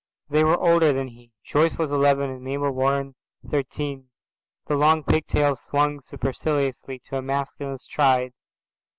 They were older than he. Joyce was eleven and Mabel Warren thirteen. The long pigtails swung superciliously to a masculine stride.